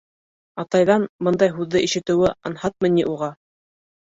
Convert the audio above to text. Атайҙан бындай һүҙҙе ишетеүе анһатмы ни уға?!